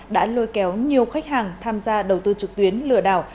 đã lôi kéo nhiều khách hàng tham gia đầu tư trực tuyến lừa đảo